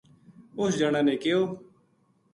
اُس جنا نے کہیو